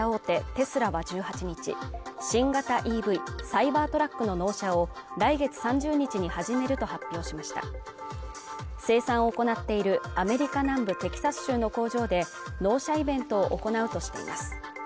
テスラは１８日新型ＥＶサイバートラックの納車を来月３０日に始めると発表しました生産を行っているアメリカ南部テキサス州の工場で納車イベントを行うとしています